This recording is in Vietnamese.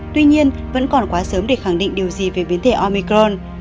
tuy nhiên vẫn còn quá sớm để khẳng định điều gì về biến thể omicron